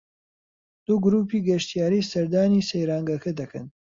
دوو گرووپی گەشتیاری سەردانی سەیرانگەکە دەکەن